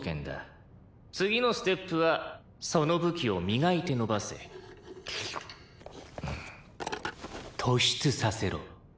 「次のステップはその武器を磨いて伸ばせ」突出させろ。